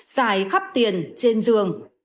giải khắp tiền trên giường